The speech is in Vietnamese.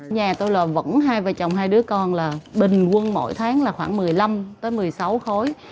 nhà tôi là vẫn hai vợ chồng hai đứa con là bình quân mỗi tháng là khoảng một mươi năm một mươi sáu khối